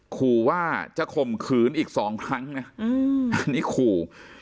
คูว่าจะข่มขืนอีก๒ครั้งอันนี้คู